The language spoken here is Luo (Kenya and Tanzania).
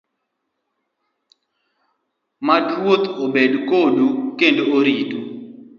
Mad Ruoth obed kodu kendo oritu.